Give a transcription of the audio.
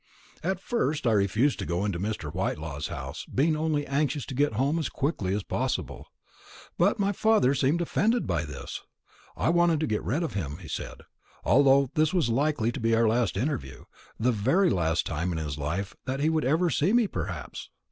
At first I refused to go into Mr. Whitelaw's house, being only anxious to get home as quickly as possible. But my father seemed offended by this. I wanted to get rid of him, he said, although this was likely to be our last interview the very last time in his life that he would ever see me, perhaps.